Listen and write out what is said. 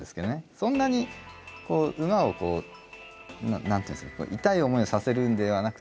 そんなに馬を何ていうんですか痛い思いをさせるのではなくて。